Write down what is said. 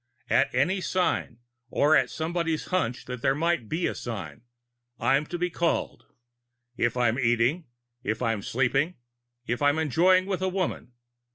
At any sign or at anybody's hunch that there might be a sign I'm to be called. If I'm eating. If I'm sleeping. If I'm enjoying with a woman.